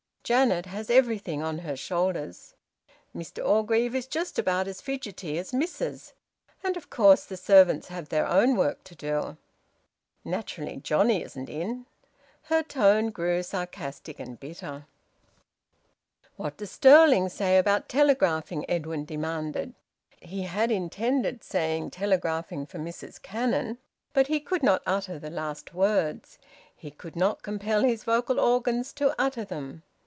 Janet has everything on her shoulders. Mr Orgreave is just about as fidgety as Mrs. And of course the servants have their own work to do. Naturally Johnnie isn't in!" Her tone grew sarcastic and bitter. "What does Stirling say about telegraphing?" Edwin demanded. He had intended to say `telegraphing for Mrs Cannon,' but he could not utter the last words; he could not compel his vocal organs to utter them.